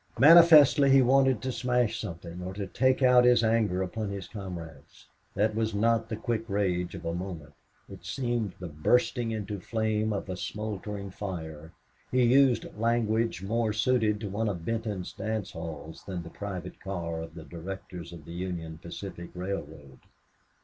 Manifestly he wanted to smash something or to take out his anger upon his comrades. That was not the quick rage of a moment; it seemed the bursting into flame of a smoldering fire. He used language more suited to one of Benton's dance halls than the private car of the directors of the Union Pacific Railroad.